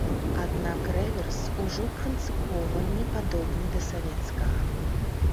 Аднак рэверс ужо прынцыпова не падобны да савецкага.